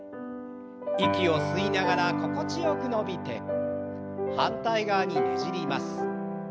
息を吸いながら心地よく伸びて反対側にねじります。